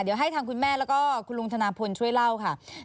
เดี๋ยวให้ทางคุณแม่แล้วก็คุณลุงธนาพลช่วยเล่าค่ะ